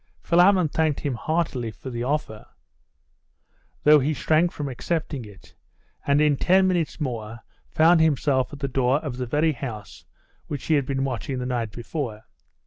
Philammon thanked him heartily for the offer, though he shrank from accepting it; and in ten minutes more found himself at the door of the very house which he had been watching the night before.